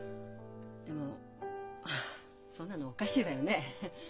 でもそんなのおかしいわよね。